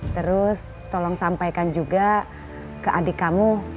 terus tolong sampaikan juga ke adik kamu